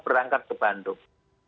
berangkat ke bandung